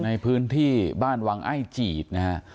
ในพื้นที่บ้านวังไอ้จีดนะฮะ